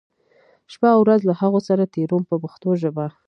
شپه او ورځ له هغو سره تېروم په پښتو ژبه.